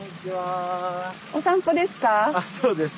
お散歩ですか？